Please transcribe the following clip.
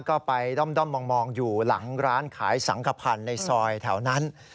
ก็ไปด้อมมองอยู่หลังร้านขายสังขพันธ์ในซอยแถวนั้น